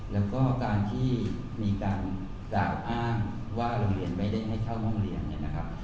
แล้วก็การที่มีการกล่าวอ้างว่าโรงเรียนไม่ได้ให้เช่าห้องเรียนเนี่ยนะครับ